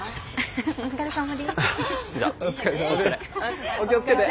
お疲れさまです。